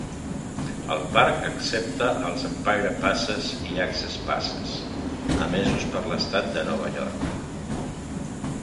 El parc accepta els Empire Passes i Access Passes emesos per l'estat de Nova York.